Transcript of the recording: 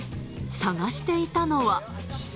探していたのは。